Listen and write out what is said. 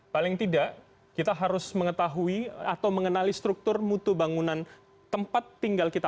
paling tidak kita harus mengetahui atau mengenali struktur mutu bangunan tempat tinggal kita